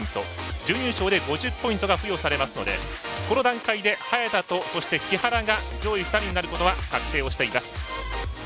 準優勝で５０％が付与されますのでこの段階で早田と木原が上位２人になることは確定しています。